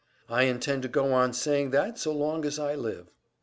I intend to go on saying that so long as I live."